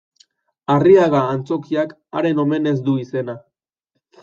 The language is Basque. Arriaga antzokiak haren omenez du izena.